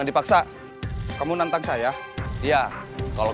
kamu bukannya batas terus dulu saya bilang